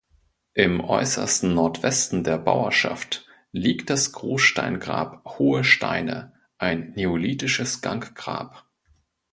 Im äußersten Nordwesten der Bauerschaft liegt das Großsteingrab Hohe Steine, ein neolithisches Ganggrab.